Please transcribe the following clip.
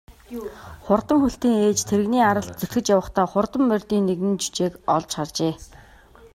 Хурдан хөлтийн ээж тэрэгний аралд зүтгэж явахдаа хурдан морьдын нэгэн жүчээг олж харжээ.